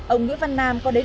ông nguyễn văn nam có đến